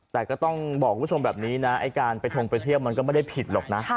แต่ก็ต้องบอกคุณผู้ชมแบบนี้นะไอ้การไปทงไปเที่ยวมันก็ไม่ได้ผิดหรอกนะ